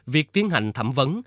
việc tiến hành thẩm vấn